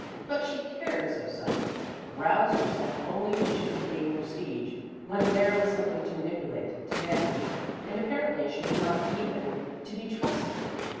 But she cared so seldom, roused herself only when she could gain prestige, when there was something to manipulate, to manage. And apparently she was not even to be trusted.